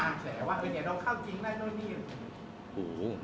แผลว่าเฮะเดี๋ยวนี่เข้าจริงหน่อยมี